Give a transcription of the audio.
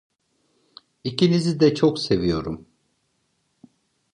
İkinizi de çok seviyorum.